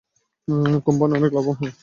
Company অনেক লাভবান হবে।